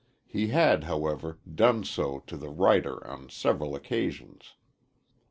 He had, however, done so to the writer on several occasions.